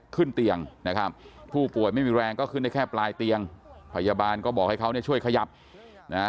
ขึ้นเตียงนะครับผู้ป่วยไม่มีแรงก็ขึ้นได้แค่ปลายเตียงพยาบาลก็บอกให้เขาเนี่ยช่วยขยับนะฮะ